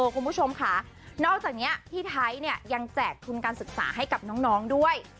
คุณผู้ชมค่ะนอกจากนี้พี่ไทยเนี่ยยังแจกทุนการศึกษาให้กับน้องด้วย